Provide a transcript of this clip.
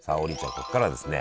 ここからはですね